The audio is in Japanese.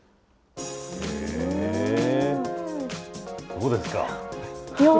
どうですか？